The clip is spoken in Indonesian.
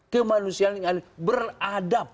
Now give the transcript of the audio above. semua manusia yang beradab